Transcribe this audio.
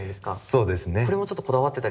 そうですね。